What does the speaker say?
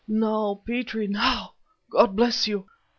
"Now, Petrie! now! God bless you...